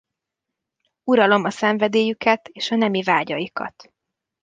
Uralom a szenvedélyüket és a nemi vágyaikat.